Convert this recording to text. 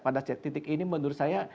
pada titik ini menurut saya